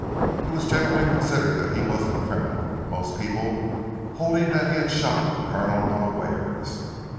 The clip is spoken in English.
It was generally considered that he was the criminal, most people holding that he had shot the Colonel unawares.